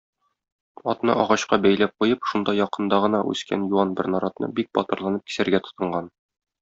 Атны агачка бәйләп куеп, шунда якында гына үскән юан бер наратны бик батырланып кисәргә тотынган.